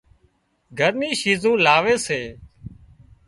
گھر ني شيزون لاوي سي